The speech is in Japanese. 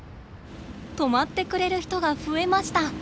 止まってくれる人が増えました。